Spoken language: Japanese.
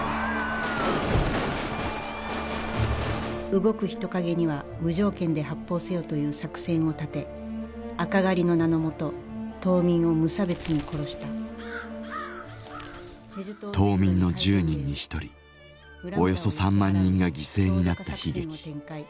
動く人影には無条件で発砲せよという作戦を立て赤狩りの名のもと島民を無差別に殺した島民の１０人に１人およそ３万人が犠牲になった悲劇。